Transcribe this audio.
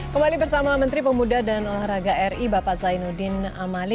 kembali bersama menteri pemuda dan olahraga ri bapak zainuddin amali